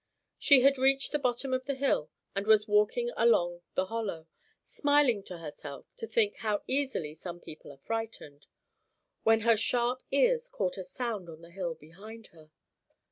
She had reached the bottom of the hill and was walking along the hollow, smiling to herself to think how easily some people are frightened, when her sharp ears caught a sound on the hill behind her.